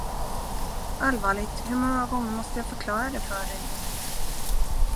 Allvarligt, hur många gånger måste jag förklara det för dig?